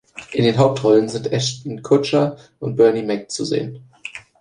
In den Hauptrollen sind Ashton Kutcher und Bernie Mac zu sehen.